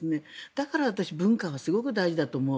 だから、私は文化がすごく大事だと思う。